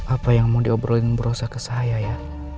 apa yang mau diobrolin brosa ke saya ya